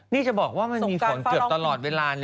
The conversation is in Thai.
นี่จะบอกว่ามันมีฝนเกือบตลอดเวลา